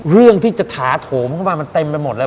เรื่องที่จะถาโถมเข้ามามันเต็มไปหมดเลย